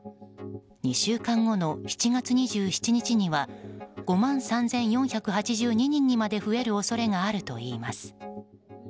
２週間後の７月２７日には５万３４８２人にまで増える恐れがあるといいます。